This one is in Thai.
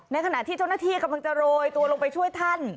ขณะที่เจ้าหน้าที่กำลังจะโรยตัวลงไปช่วยท่าน